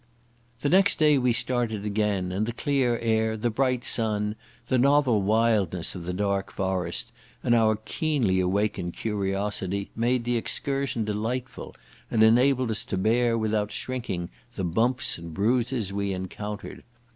The next day we started again, and the clear air, the bright sun, the novel wildness of the dark forest, and our keenly awakened curiosity, made the excursion delightful, and enabled us to bear without shrinking the bumps and bruises we encountered.